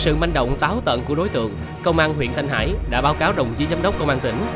sự manh động táo tận của đối tượng công an huyện thanh hải đã báo cáo đồng chí giám đốc công an tỉnh